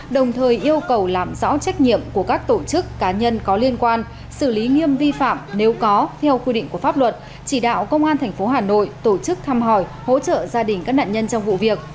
đồng thời yêu cầu làm rõ trách nhiệm của các tổ chức cá nhân có liên quan xử lý nghiêm vi phạm nếu có theo quy định của pháp luật chỉ đạo công an tp hà nội tổ chức thăm hỏi hỗ trợ gia đình các nạn nhân trong vụ việc